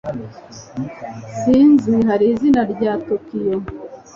Sinzi. Hari izina rya Tokiyo?